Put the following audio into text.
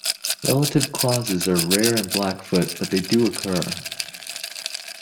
Relative clauses are rare in Blackfoot but they do occur.